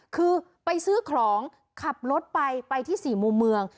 คือไปซื้อของขับรถไปไปที่๔มุมเมือง